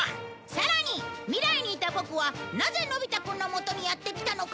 さらに未来にいたボクはなぜのび太くんの元にやって来たのか？